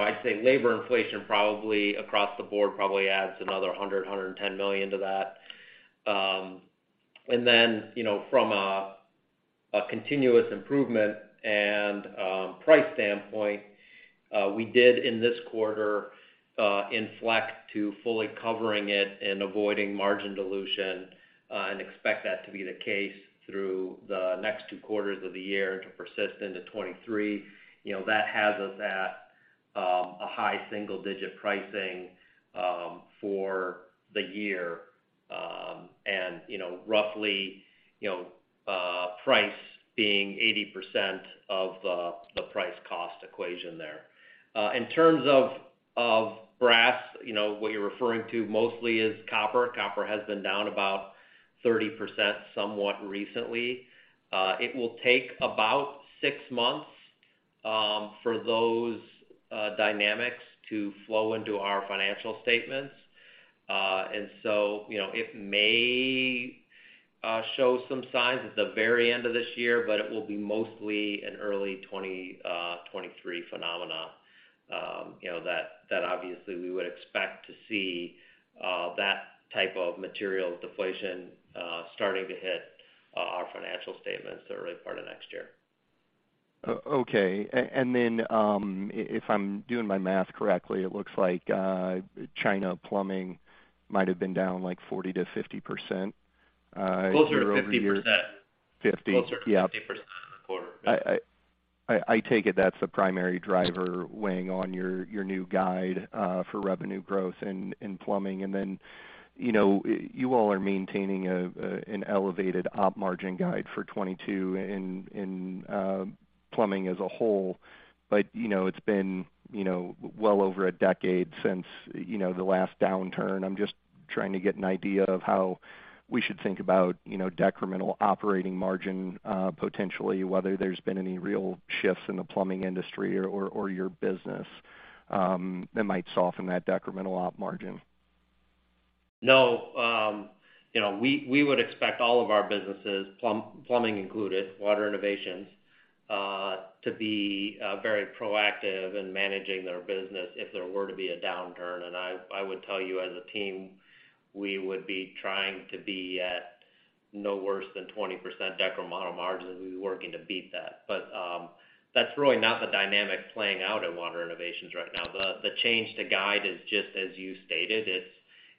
Speaker 4: I'd say labor inflation probably across the board adds another $110 million to that. From a continuous improvement and price standpoint, we did in this quarter inflect to fully covering it and avoiding margin dilution, and expect that to be the case through the next two quarters of the year and to persist into 2023. That has us at a high single-digit pricing for the year. Roughly, price being 80% of the price cost equation there. In terms of brass, what you're referring to mostly is copper. Copper has been down about 30% somewhat recently. It will take about six months for those dynamics to flow into our financial statements. You know, it may show some signs at the very end of this year, but it will be mostly an early 2023 phenomenon. You know, that obviously we would expect to see that type of material deflation starting to hit our financial statements in the early part of next year.
Speaker 8: Okay. If I'm doing my math correctly, it looks like China plumbing might have been down like 40%-50% year-over-year.
Speaker 4: Closer to 50%.
Speaker 8: Fifty.
Speaker 4: Closer to 50% in the quarter.
Speaker 8: I take it that's the primary driver weighing on your new guide for revenue growth in plumbing. You know, you all are maintaining an elevated op margin guide for 2022 in plumbing as a whole. You know, it's been well over a decade since the last downturn. I'm just trying to get an idea of how we should think about decremental operating margin potentially, whether there's been any real shifts in the plumbing industry or your business that might soften that decremental op margin.
Speaker 4: No. You know, we would expect all of our businesses, plumbing included, Water Innovations, to be very proactive in managing their business if there were to be a downturn. I would tell you as a team, we would be trying to be at no worse than 20% decremental margins. We'd be working to beat that. That's really not the dynamic playing out at Water Innovations right now. The change to guidance is just as you stated,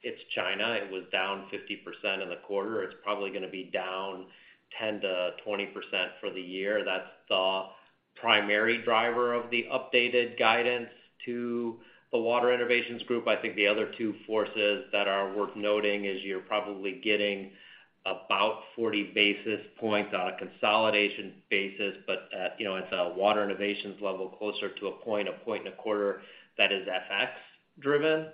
Speaker 4: it's China. It was down 50% in the quarter. It's probably gonna be down 10%-20% for the year. That's the primary driver of the updated guidance to the Water Innovations group. I think the other two forces that are worth noting is you're probably getting about 40 basis points on a consolidation basis, but at, you know, at the Water Innovations level, closer to a point, a point and a quarter that is FX driven.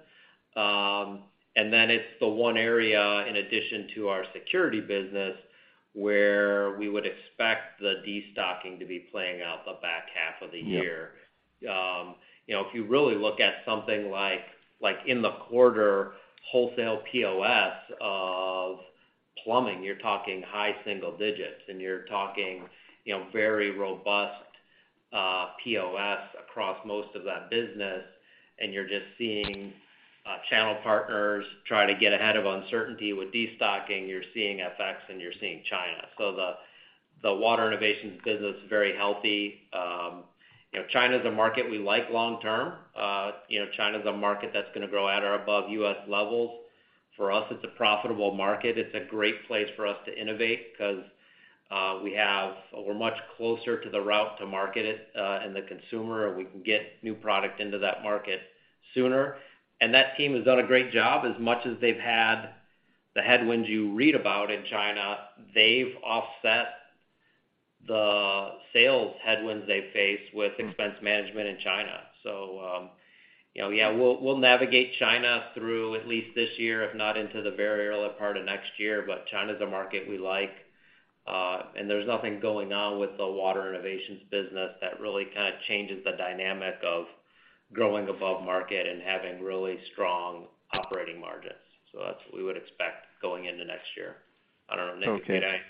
Speaker 4: It's the one area in addition to our security business, where we would expect the destocking to be playing out the back half of the year.
Speaker 8: Yeah.
Speaker 4: You know, if you really look at something like in the quarter wholesale POS of plumbing, you're talking high single digits, and you're talking, you know, very robust POS across most of that business, and you're just seeing channel partners try to get ahead of uncertainty with destocking. You're seeing FX and you're seeing China. So the Water Innovations business is very healthy. You know, China's a market we like long term. You know, China's a market that's gonna grow at or above U.S. levels. For us, it's a profitable market. It's a great place for us to innovate 'cause we're much closer to the route to market and the consumer, and we can get new product into that market sooner. That team has done a great job. As much as they've had the headwinds you read about in China, they've offset the sales headwinds they face with expense management in China. You know, yeah, we'll navigate China through at least this year, if not into the very early part of next year. China's a market we like, and there's nothing going on with the Water Innovations business that really kinda changes the dynamic of growing above market and having really strong operating margins. That's what we would expect going into next year. I don't know, Nick, if you had anything.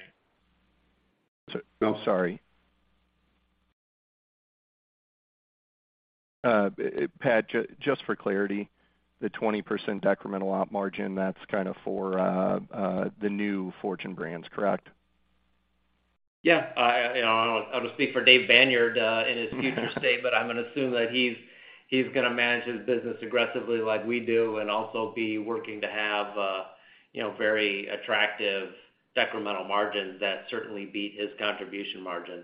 Speaker 8: Okay. Oh, sorry. Pat, just for clarity, the 20% decremental op margin, that's kind of for the new Fortune Brands, correct?
Speaker 4: Yeah. You know, I don't speak for Dave Banyard in his future state, but I'm gonna assume that he's gonna manage his business aggressively like we do and also be working to have, you know, very attractive decremental margins that certainly beat his contribution margin.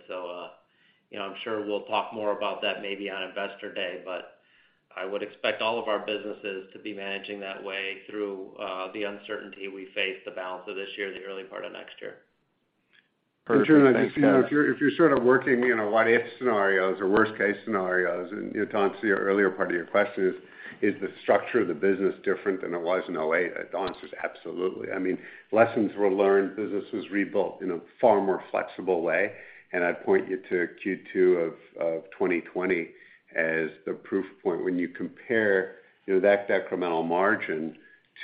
Speaker 4: You know, I'm sure we'll talk more about that maybe on Investor Day, but I would expect all of our businesses to be managing that way through the uncertainty we face the balance of this year, the early part of next year.
Speaker 8: Perfect. Thanks, guys.
Speaker 3: Jon, I guess, you know, if you're sort of working in a what if scenarios or worst case scenarios, you know, Tom, to your earlier part of your question is the structure of the business different than it was in 2008? The answer is absolutely. I mean, lessons were learned, business was rebuilt in a far more flexible way. I'd point you to Q2 of 2020 as the proof point when you compare, you know, that decremental margin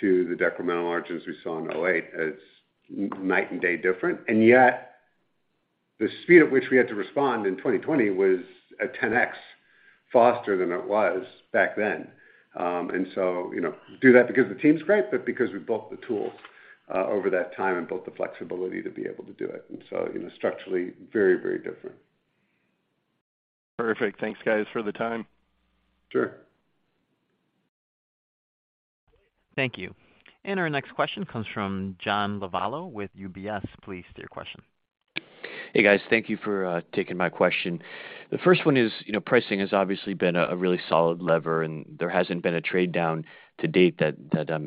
Speaker 3: to the decremental margins we saw in 2008 as night and day different. Yet, the speed at which we had to respond in 2020 was a 10X faster than it was back then. You know, do that because the team's great, but because we built the tools over that time and built the flexibility to be able to do it. You know, structurally very, very different.
Speaker 8: Perfect. Thanks, guys, for the time.
Speaker 3: Sure.
Speaker 1: Thank you. Our next question comes from John Lovallo with UBS. Please state your question.
Speaker 9: Hey, guys. Thank you for taking my question. The first one is, you know, pricing has obviously been a really solid lever, and there hasn't been a trade down to date that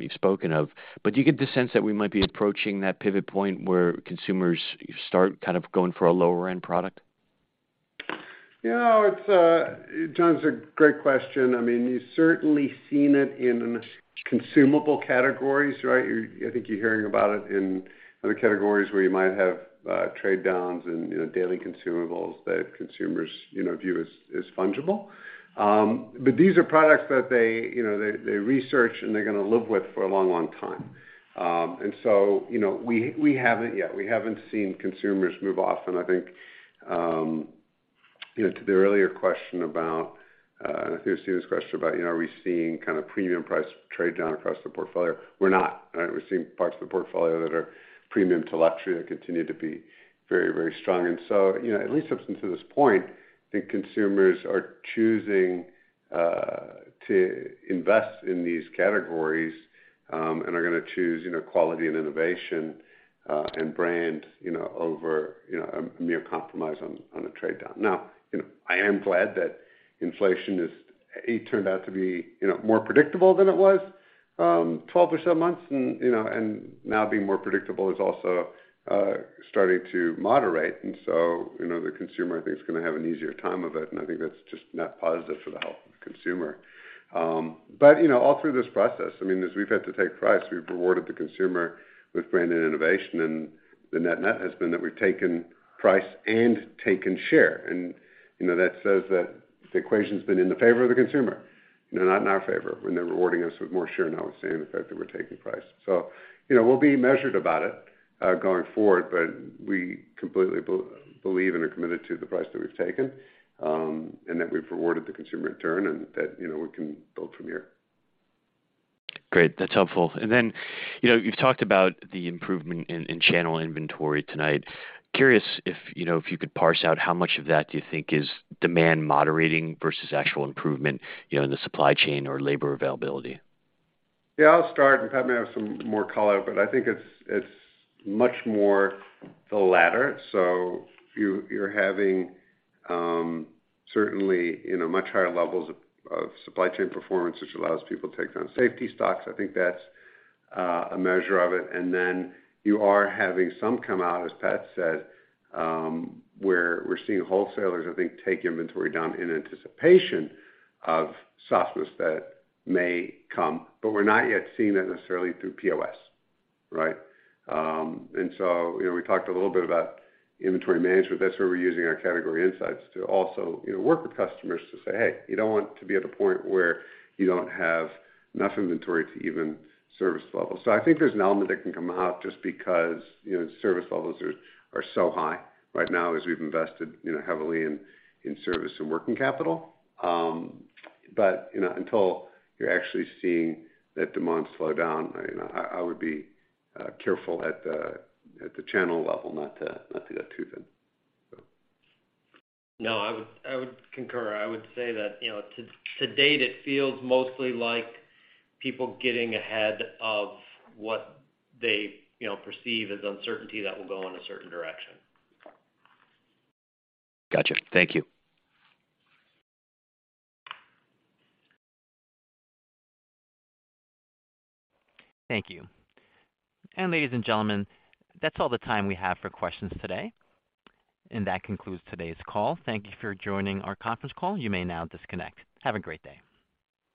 Speaker 9: you've spoken of. Do you get the sense that we might be approaching that pivot point where consumers start kind of going for a lower end product?
Speaker 3: Yeah. It's John, it's a great question. I mean, you've certainly seen it in consumable categories, right? I think you're hearing about it in other categories where you might have trade downs in, you know, daily consumables that consumers, you know, view as fungible. But these are products that they, you know, they research and they're gonna live with for a long, long time. And so, you know, we haven't yet. We haven't seen consumers move off. And I think you know, to the earlier question about, I think it was Stephen's question about, you know, are we seeing kind of premium price trade down across the portfolio? We're not, right. We're seeing parts of the portfolio that are premium to luxury that continue to be very, very strong. You know, at least up until this point, I think consumers are choosing to invest in these categories, and are gonna choose, you know, quality and innovation, and brand, you know, over, you know, a mere compromise on a trade down. You know, I am glad that it turned out to be, you know, more predictable than it was 12 or so months. You know, and now being more predictable is also starting to moderate. You know, the consumer, I think, is gonna have an easier time of it, and I think that's just net positive for the health of the consumer. You know, all through this process, I mean, as we've had to take price, we've rewarded the consumer with brand and innovation, and the net has been that we've taken price and taken share. You know, that says that the equation's been in the favor of the consumer. It's not in our favor when they're rewarding us with more share, now seeing the fact that we're taking price. You know, we'll be measured about it, going forward, but we completely believe and are committed to the price that we've taken, and that we've rewarded the consumer in turn and that, you know, we can build from here.
Speaker 9: Great. That's helpful. You know, you've talked about the improvement in channel inventory tonight. Curious if, you know, if you could parse out how much of that do you think is demand moderating versus actual improvement, you know, in the supply chain or labor availability?
Speaker 3: Yeah, I'll start and Pat may have some more color, but I think it's much more the latter. You're having certainly, you know, much higher levels of supply chain performance, which allows people to take down safety stocks. I think that's a measure of it. Then you are having some come out, as Pat said. We're seeing wholesalers, I think, take inventory down in anticipation of softness that may come. We're not yet seeing that necessarily through POS, right? You know, we talked a little bit about inventory management. That's where we're using our category insights to also, you know, work with customers to say, "Hey, you don't want to be at a point where you don't have enough inventory to even service levels." I think there's an element that can come out just because, you know, service levels are so high right now as we've invested, you know, heavily in service and working capital. You know, until you're actually seeing that demand slow down, you know, I would be careful at the channel level not to do that too then.
Speaker 4: No, I would concur. I would say that, you know, to date, it feels mostly like people getting ahead of what they, you know, perceive as uncertainty that will go in a certain direction.
Speaker 9: Gotcha. Thank you.
Speaker 1: Thank you. Ladies and gentlemen, that's all the time we have for questions today. That concludes today's call. Thank you for joining our conference call. You may now disconnect. Have a great day.